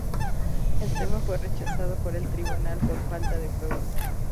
El tema fue rechazado por el tribunal por falta de pruebas.